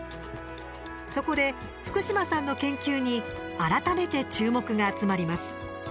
そこで、福島さんの研究に改めて注目が集まります。